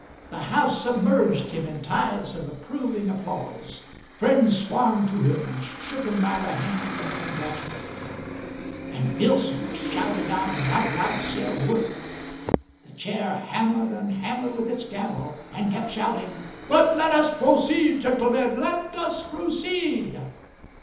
The house submerged him in tides of approving applause; friends swarmed to him and shook him by the hand and congratulated him, and Billson was shouted down and not allowed to say a word. The Chair hammered and hammered with its gavel, and kept shouting: "But let us proceed, gentlemen, let us proceed!"